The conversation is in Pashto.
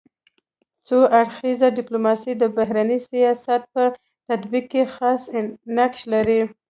څو اړخیزه ډيپلوماسي د بهرني سیاست په تطبیق کي خاص نقش لري.